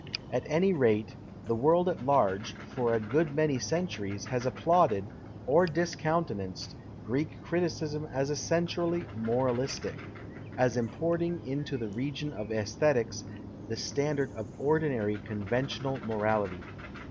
At any rate, the world at large, for a good many centuries, has applauded, or discountenanced, Greek criticism as essentially moralistic — as importing into the region of aesthetics the standards of ordinary, conventional morality.